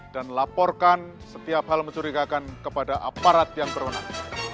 dan laporkan setiap hal mencurigakan kepada aparat yang berwenang